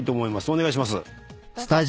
お願いします。